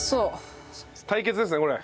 対決ですねこれ。